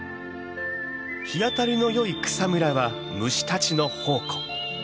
日当たりのよい草むらは虫たちの宝庫。